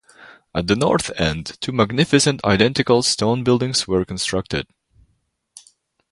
At the north end, two magnificent identical stone buildings were constructed.